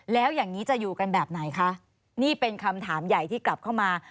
แล้วอย่างนี้จะอยู่กันแบบไหนคะนี่เป็นคำถามใหญ่ที่กลับเข้ามา